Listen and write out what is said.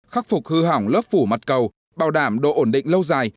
khắc phục hư hỏng lớp phủ mặt cầu bảo đảm độ ổn định lâu dài